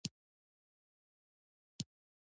دوه تنه ترکان په یاغستان کې قبایل ولمسول.